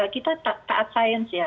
kita taat sains ya